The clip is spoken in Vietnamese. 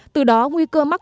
từ đó nguy cơ mắc